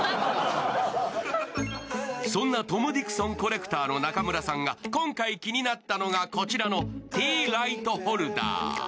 そんなＴｏｍＤｉｘｏｎ．コレクターの中村さんが、今回気になったのがこちらのティーライトホルダー。